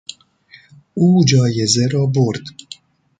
او جایزه را برد.